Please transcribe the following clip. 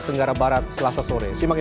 terima kasih salam sehat